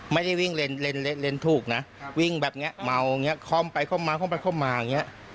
ไม่ได้วิ่งเลนส์ถูกนะวิ่งแบบนี้เมาอย่างนี้คล่อมไปคล่อมมา